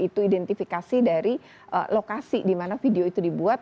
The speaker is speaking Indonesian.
itu identifikasi dari lokasi dimana video itu dibuat